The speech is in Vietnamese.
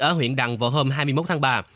ở huyện đằng vào hôm hai mươi một tháng ba